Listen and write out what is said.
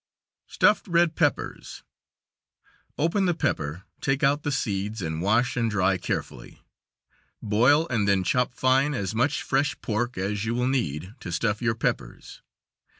Stuffed red peppers: Open the pepper, take out the seeds and wash and dry carefully. Boil and then chop fine as much fresh pork as you will need to stuff your peppers.